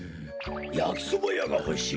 やきそばやがほしいな。